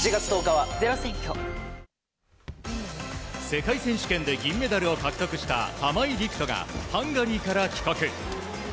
世界選手権で銀メダルを獲得した玉井陸斗がハンガリーから帰国。